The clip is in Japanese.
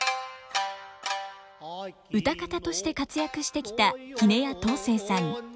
唄方として活躍してきた杵屋東成さん。